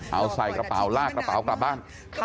เอาใส่กระเป๋าลากกระเป๋ากลับบ้าน